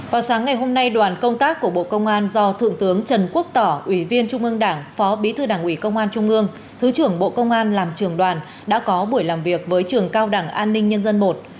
vào sáng ngày hôm nay đoàn công tác của bộ công an do thượng tướng trần quốc tỏ ủy viên trung ương đảng phó bí thư đảng ủy công an trung ương thứ trưởng bộ công an làm trường đoàn đã có buổi làm việc với trường cao đảng an ninh nhân dân i